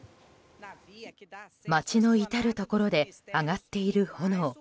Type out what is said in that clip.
街の至るところで上がっている炎。